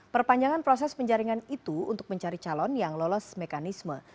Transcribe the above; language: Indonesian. perpanjangan proses penjaringan itu untuk mencari calon yang lolos mekanisme